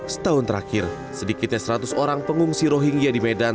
setahun terakhir sedikitnya seratus orang pengungsi rohingya di medan